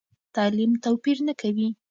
تعلیم توپیر نه کوي.